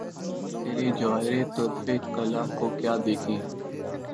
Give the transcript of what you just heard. تیرے جواہرِ طُرفِ کلہ کو کیا دیکھیں!